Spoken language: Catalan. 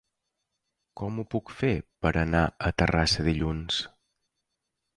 Com ho puc fer per anar a Terrassa dilluns?